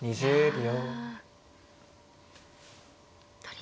２０秒。